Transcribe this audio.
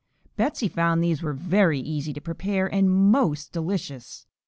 Betsey found these were very easy to prepare and most delicious.